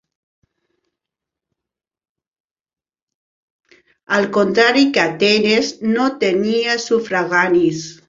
Al contrari que Atenes, no tenia sufraganis.